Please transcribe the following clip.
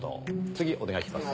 次お願いします。